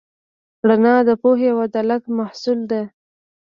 رڼا د پوهې او عدالت محصول ده.